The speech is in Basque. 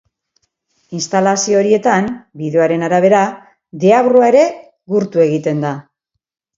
Instalazio horietan, bideoaren arabera, deabrua ere gurtu egiten da.